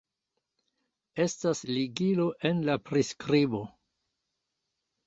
Estas ligilo en la priskribo